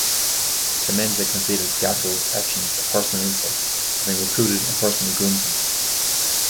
Clemenza considers Gatto's actions a personal insult, having recruited and personally groomed him.